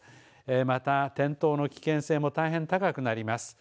また転倒の危険性も大変高くなります。